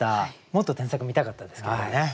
もっと添削見たかったですけれどもね。